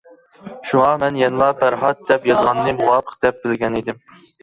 شۇڭا مەن يەنىلا پەرھات دەپ يازغاننى مۇۋاپىق دەپ بىلگەنىدىم.